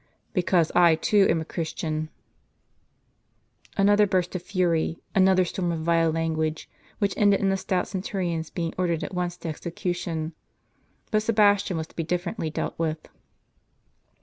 " Because I too am a Christian !" Another burst of fury, another storm of vile language, which ended in the stout centurion's being ordered at once to execution. But Sebastian was to be differently dealt with.